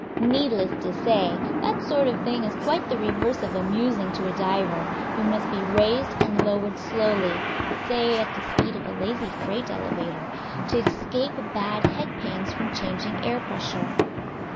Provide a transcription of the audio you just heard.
Needless to say, that sort of thing is quite the reverse of amusing to a diver, who must be raised and lowered slowly (say at the speed of a lazy freight elevator) to escape bad head pains from changing air pressure.